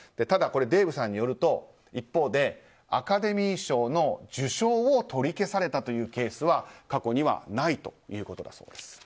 ただ、これはデーブさんによると一方で、アカデミー賞の受賞を取り消されたというケースは過去にはないということです。